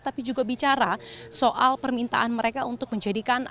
tapi juga bicara soal permintaan mereka untuk menjadikan